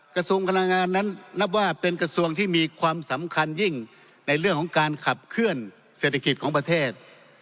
กระทรวงพลังงานนั้นนับว่าเป็นกระทรวงที่มีความสำคัญยิ่งในเรื่องของการขับเคลื่อนเศรษฐกิจของประเทศ